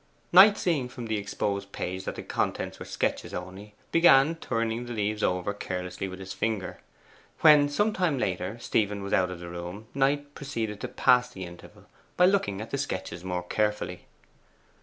Knight seeing from the exposed page that the contents were sketches only, began turning the leaves over carelessly with his finger. When, some time later, Stephen was out of the room, Knight proceeded to pass the interval by looking at the sketches more carefully.